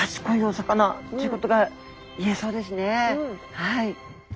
はい。